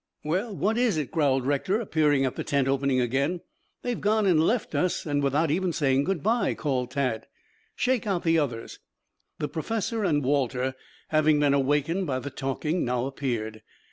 "Well, what is it?" growled Rector appearing at the tent opening again. "They've gone and left us and without even saying good bye," called Tad. "Shake out the others." The professor and Walter, having been awakened by the talking, now appeared.